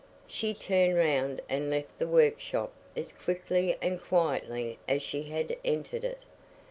She turned round and left the workshop as quickly and quietly as she had entered it.